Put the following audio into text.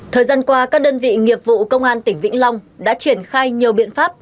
thời gian qua các đơn vị nghiệp vụ công an tỉnh vĩnh long đã triển khai nhiều biện pháp